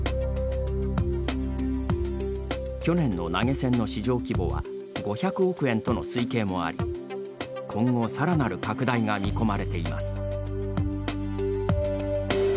去年の投げ銭の市場規模は５００億円との推計もあり今後さらなる拡大が見込まれています。